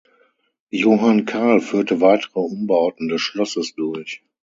Johann Karl führte weitere Umbauten des Schlosses durch.